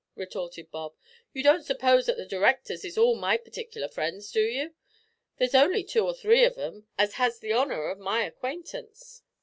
retorted Bob; "you don't suppose that the d'rectors is all my partikler friends, do you? There's only two or three of 'em as has the honer of my acquaintance."